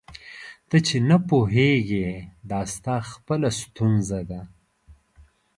ته چي نه پوهېږې دا ستا خپله ستونزه ده.